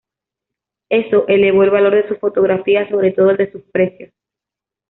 Eso elevó el valor de sus fotografías, sobre todo el de sus precios.